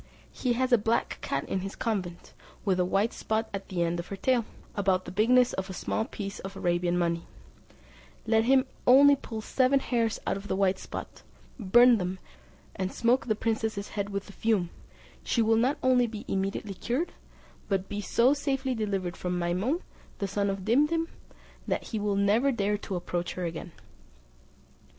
He has a black cat in his convent, with a white spot at the end of her tail, about the bigness of a small piece of Arabian money; let him only pull seven hairs out of the white spot, burn them, and smoke the princess's head with the fume, she will not only be immediately cured, but be so safely delivered from Maimoun, the son of Dimdim, that he will never dare to approach her again."